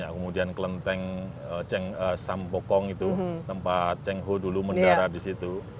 kemudian kelenteng sampokong itu tempat cheng ho dulu mendarat di situ